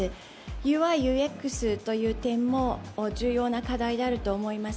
ＵＩ、ＵＸという点も重要な課題であると思います。